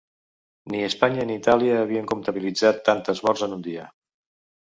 Ni Espanya ni Itàlia havien comptabilitzat tantes morts en un dia.